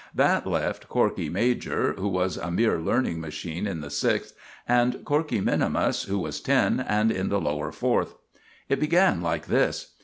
That left Corkey major, who was a mere learning machine in the Sixth, and Corkey minimus, who was ten, and in the Lower Fourth. It began like this.